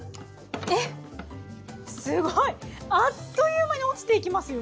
えっすごいあっという間に落ちていきますよ。